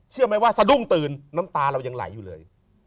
เชื่อไหมว่าสะดุ้งตื่นน้ำตาเรายังไหลอยู่เลย